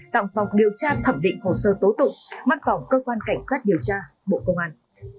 tặng phòng điều tra thẩm định hồ sơ tố tụng mắt phòng cơ quan cảnh sát điều tra bộ công an